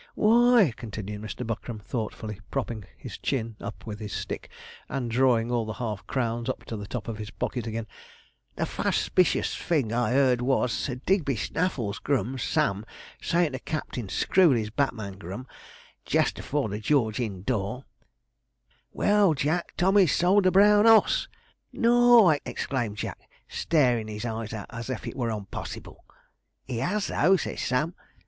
'Why,' continued Mr. Buckram, thoughtfully, propping his chin up with his stick, and drawing all the half crowns up to the top of his pocket again, 'the fust 'spicious thing I heard was Sir Digby Snaffle's grum, Sam, sayin' to Captain Screwley's bat man grum, jist afore the George Inn door, '"Well, Jack, Tommy's sold the brown oss!" '"N O O R!" exclaimed Jack, starin' 'is eyes out, as if it were unpossible. '"He 'as though," said Sam.